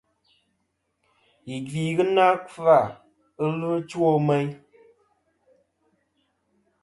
Yì gvi ghɨ na kfa, ɨlvɨ chwo meyn.